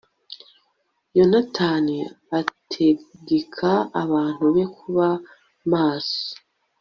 yonatani ategeka abantu be kuba maso